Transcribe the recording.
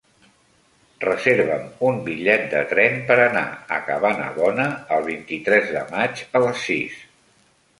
Reserva'm un bitllet de tren per anar a Cabanabona el vint-i-tres de maig a les sis.